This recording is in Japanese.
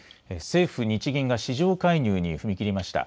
政府、日銀が市場介入に踏み切りました。